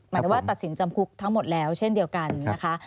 หมายถึงว่าตัดสินจำคุกทั้งหมดแล้วเช่นเดียวกันนะคะ